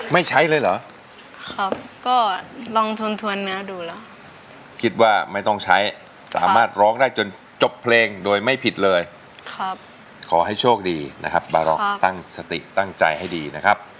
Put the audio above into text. ไม่ใช้เลยเหรอครับก็ลองทวนทวนเนื้อดูเหรอคิดว่าไม่ต้องใช้สามารถร้องได้จนจบเพลงโดยไม่ผิดเลยครับขอให้โชคดีนะครับบาร็อกตั้งสติตั้งใจให้ดีนะครับ